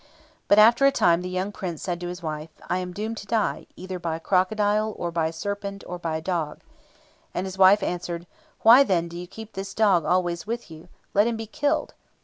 But after a time the young Prince said to his wife, "I am doomed to die, either by a crocodile, or by a serpent, or by a dog." And his wife answered, "Why, then, do you keep this dog always with you? Let him be killed."